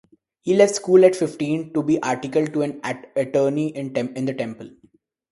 He left school at fifteen to be articled to an attorney in the Temple.